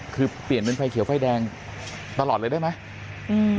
คือเปลี่ยนเป็นไฟเขียวไฟแดงตลอดเลยได้ไหม